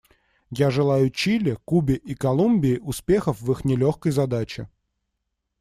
Я желаю Чили, Кубе и Колумбии успехов в их нелегкой задаче.